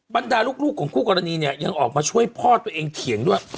บรรดาลูกของคู่กรณีเนี่ยยังออกมาช่วยพ่อตัวเองเถียงด้วย